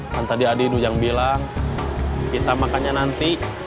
kan tadi adi nujang bilang kita makannya nanti